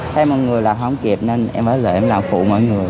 thấy mọi người là không kịp nên em ở lại em làm phụ mọi người